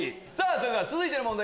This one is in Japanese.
それでは続いての問題